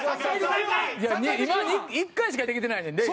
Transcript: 今１回しかできてないね